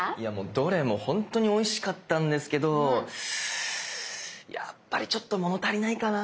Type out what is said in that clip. どれも本当においしかったんですけどやっぱりちょっと物足りないかな。